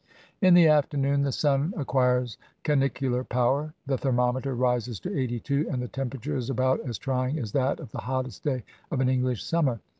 In the afternoon the sun acquires canicular power, the thermometer rises to eighty two, and the temperature is about as trying as that of the hottest day of an EngHsh summer.